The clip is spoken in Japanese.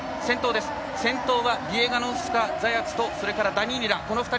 先頭はビエガノフスカザヤツとそれからダニーリナ、この２人。